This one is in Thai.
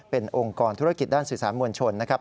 เป็นองค์กรธุรกิจด้านสื่อสารมวลชนนะครับ